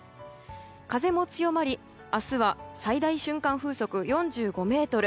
風も強まり、明日は最大瞬間風速４５メートル。